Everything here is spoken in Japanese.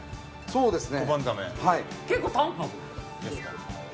そうですね